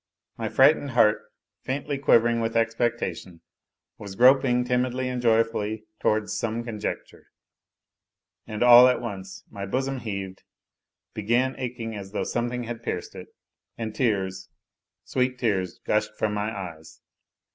My frightened heart, faintly quivering with expectation, was groping timidly and joyfully towards some conjecture ... and all at once my bosom heaved, began aching as though something had pierced it, and tears, sweet tears, gushed from my eyes.